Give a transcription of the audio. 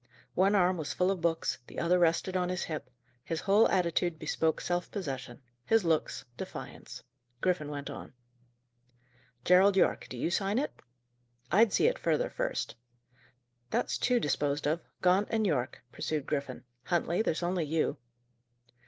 One arm was full of books, the other rested on his hip: his whole attitude bespoke self possession; his looks, defiance. Griffin went on. "Gerald Yorke, do you sign it?" "I'd see it further, first." "That's two disposed of, Gaunt and Yorke," pursued Griffin. "Huntley, there's only you."